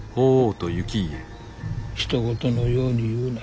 ひと事のように言うな。